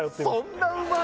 そんなうまい？